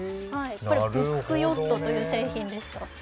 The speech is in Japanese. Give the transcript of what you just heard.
ブックヨットという製品でした。